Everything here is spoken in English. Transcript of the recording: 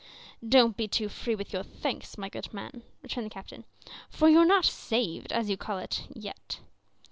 "Don't be too free with your thanks, my good man," returned the captain, "for you're not saved, as you call it, yet."